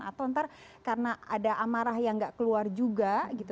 atau nanti karena ada amarah yang nggak keluar juga gitu